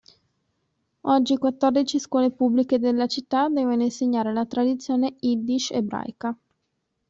Oggi quattordici scuole pubbliche della città devono insegnare la tradizione Yiddish ebraica.